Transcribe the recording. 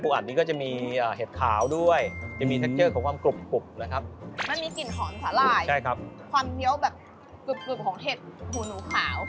ความเบี้ยวแบบกรุบของเห็ดหูนูขาว